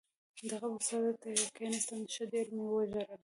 د قبر سر ته یې کېناستم، ښه ډېر مې وژړل.